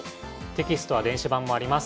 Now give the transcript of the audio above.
テキストは電子版もあります。